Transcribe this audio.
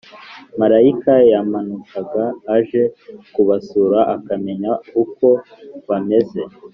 Marayika yamanukaga aje kubasura akamenya uko bameze